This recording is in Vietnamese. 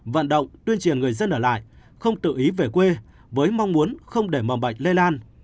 vận động tuyên truyền người dân ở lại không tự ý về quê với mong muốn không để mầm bệnh lây lan